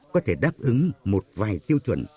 có thể đáp ứng một vài tiêu chuẩn